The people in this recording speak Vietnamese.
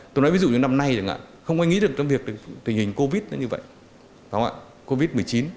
tôi nói ví dụ như năm nay chẳng hạn không ai nghĩ được trong việc tình hình covid nó như vậy đúng không ạ covid một mươi chín